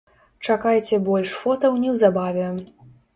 Чакайце больш фотаў неўзабаве.